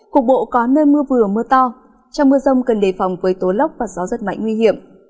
cục bộ có nơi mưa vừa mưa to trong mưa rông cần đề phòng với tố lốc và gió rất mạnh nguy hiểm